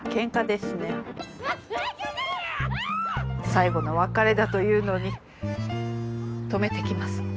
最後の別れだというのに止めてきます。